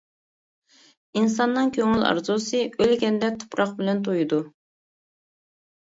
ئىنساننىڭ كۆڭۈل ئارزۇسى، ئۆلگەندە تۇپراق بىلەن تويىدۇ.